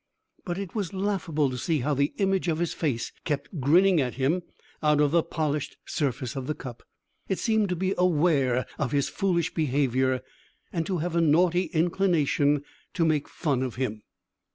But it was laughable to see how the image of his face kept grinning at him, out of the polished surface of the cup. It seemed to be aware of his foolish behaviour, and to have a naughty inclination to make fun of him.